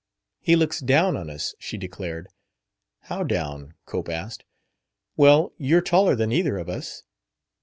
"He looks down on us!" she declared. "How down?" Cope asked. "Well, you're taller than either of us."